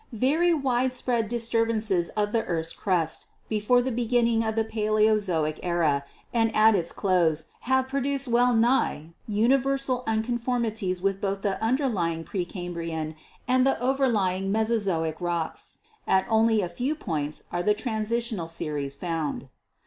Very widespread disturbances of the earth's 208 GEOLOGY crust before the beginning of the Paleozoic era and at its close have produced well nigh universal unconformities with both the underlying pre Cambrian and the overlying Mesozoic rocks ; at only a few points are transitional series found.